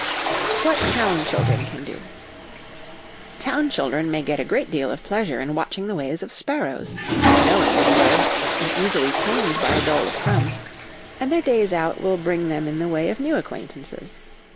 What Town Children can Do. Town children may get a great deal of pleasure in watching the ways of sparrows knowing little birds, and easily tamed by a dole of crumbs, and their days out will bring them in the way of new acquaintances.